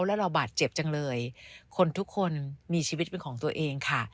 แล้วเราบาดเจ็บจังเลยคนทุกคนมีชีวิตเป็นของตัวเองค่ะ